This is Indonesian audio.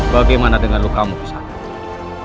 bagaimana dengan lukamu kisana